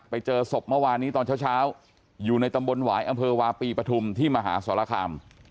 ไปเจอศพเมื่อวานนี้ตอนเช้าอยู่ในตำบลหวายอำเภอวาปีปฐุมที่มหาสรคาม